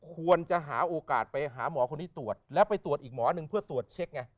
ควรจะหาโอกาสไปหาหมอคนนี้ตรวจแล้วไปตรวจอีกหมอหนึ่งเพื่อตรวจเช็คไง